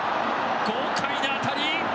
豪快な当たり。